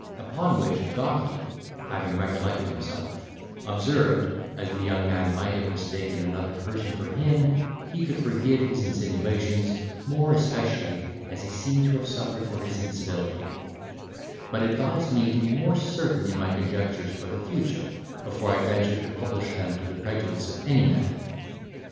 Upon which, Gawky (having recollected himself) observed, as the young man might have mistaken another person for him, he could forgive his insinuations, more especially as he seemed to have suffered for his incivility; but advised me to be more certain in my conjectures for the future, before I ventured to publish them to the prejudice of any man.